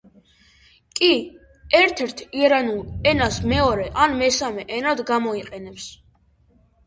კი ერთ-ერთ ირანულ ენას მეორე ან მესამე ენად გამოიყენებს.